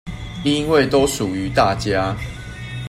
因為都屬於大家